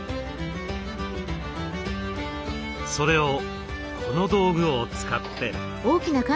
それをこの道具を使って。